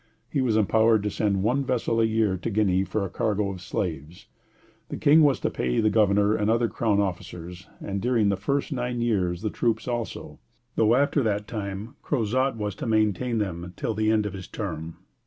He was empowered to send one vessel a year to Guinea for a cargo of slaves. The King was to pay the governor and other Crown officers, and during the first nine years the troops also; though after that time Crozat was to maintain them till the end of his term.